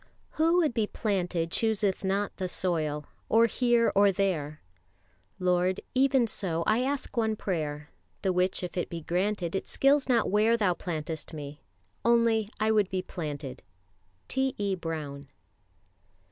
"Who would be planted chooseth not the soil Or here or there, ... Lord even so I ask one prayer, The which if it be granted It skills not where Thou plantest me, only I would be planted." T. E. BROWN.